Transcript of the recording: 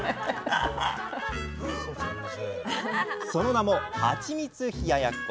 その名も「ハチミツ冷ややっこ」。